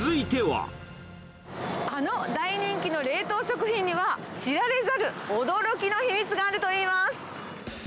あの大人気の冷凍食品には、知られざる驚きの秘密があるといいます。